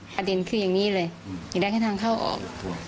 ประเด็นคืออย่างนี้เลยอยากได้แค่ทางเข้าออก